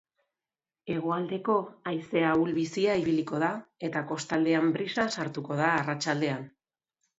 Hegoaldeko haize ahul-bizia ibiliko da eta kostaldean brisa sartuko da arratsaldean.